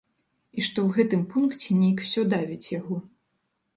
І што ў гэтым пункце нейк усё давіць яго.